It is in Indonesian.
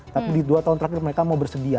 tapi di dua tahun terakhir mereka mau bersedia